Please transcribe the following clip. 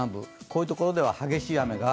こういうところでは、激しい雨が